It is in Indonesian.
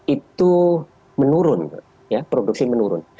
itu menurun ya produksi menurun